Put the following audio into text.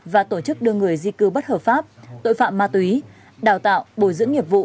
và tổ chức đưa người di cư bất hợp pháp tội phạm ma túy đào tạo bồi dưỡng nghiệp vụ